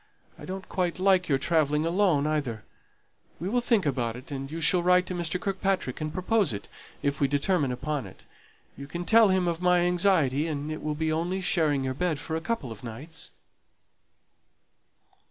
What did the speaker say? I don't quite like your travelling alone either. We will think about it, and you shall write to Mr. Kirkpatrick, and propose it, if we determine upon it. You can tell him of my anxiety; and it will be only sharing your bed for a couple of nights."